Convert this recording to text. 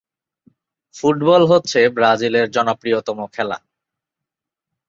Football হচ্ছে ব্রাজিলের জনপ্রীয়তম খেলা।